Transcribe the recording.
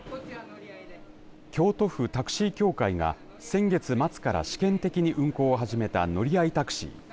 京都府タクシー協会が先月末から試験的に運行を始めた乗り合いタクシー。